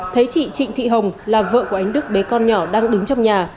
thấy chị trịnh thị hồng là vợ của anh đức bé con nhỏ đang đứng trong nhà